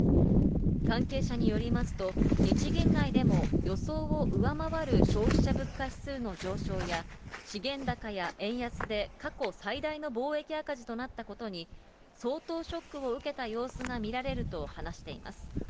関係者によりますと、日銀内でも予想を上回る消費者物価指数の上昇や、資源高や円安で過去最大の貿易赤字となったことに、相当ショックを受けた様子が見られると話しています。